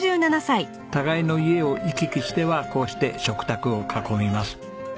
互いの家を行き来してはこうして食卓を囲みます。